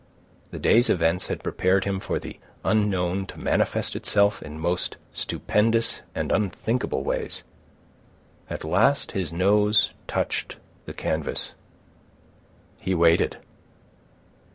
The day's events had prepared him for the unknown to manifest itself in most stupendous and unthinkable ways. At last his nose touched the canvas. He waited.